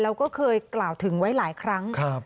เราก็เคยกล่าวถึงไว้หลายครั้ง